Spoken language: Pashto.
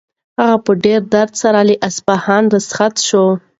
هغه په ډېر درد سره له اصفهانه رخصت شو.